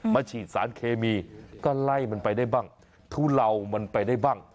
ฉีดสารเคมีก็ไล่มันไปได้บ้างทุเลามันไปได้บ้าง